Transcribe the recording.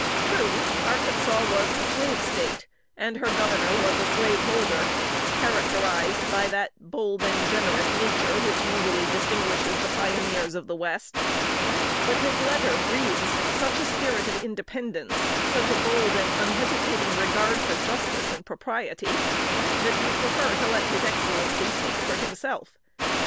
True, Arkansas was a slave State, and her Governor was a slaveholder, characterized by that bold and generous nature which usually distinguishes the pioneers of the West; but his letter breathes such a spirit of independence, such a bold and unhesitating regard for justice and propriety, that we prefer to let his Excellency speak for himself.